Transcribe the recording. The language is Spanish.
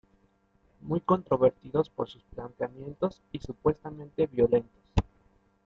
Muy controvertidos por sus planteamientos y supuestamente violentos.